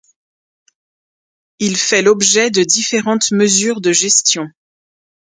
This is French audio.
Il fait l'objet de différentes mesures de gestion.